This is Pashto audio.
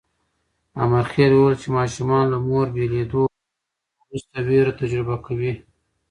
امرخېل وویل چې ماشومان له مور بېلېدو وروسته وېره تجربه کوي.